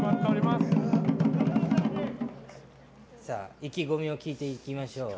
意気込みを聞いていきましょう。